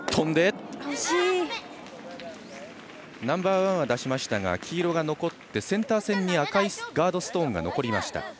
ナンバーワンは出しましたが黄色が残って、センター線に赤いガードストーンが残りました。